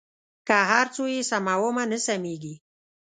که هر څو یې سمومه نه سمېږي.